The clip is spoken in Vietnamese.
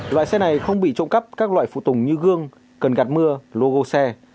loại xe này không bị trộm cắp các loại phụ tùng như gương cần gạt mưa logo xe